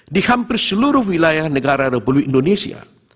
di hampir seluruh wilayah negara republik indonesia